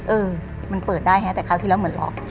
เออมันเปิดได้ฮะแต่คราวที่แล้วเหมือนหลอก